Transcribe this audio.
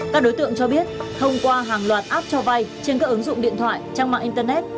các đối tượng cho biết thông qua hàng loạt app cho vay trên các ứng dụng điện thoại trang mạng internet